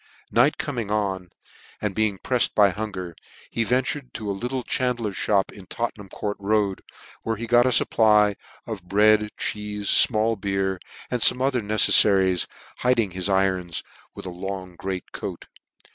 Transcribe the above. Night coming on, and being prefied by hunger, he ventuted to a little chandler's fhop in Tottenham court road, where he got a fupply of bread cheefe, fmall beer, and fome other neceflaries, hiding his irons with a long great coat.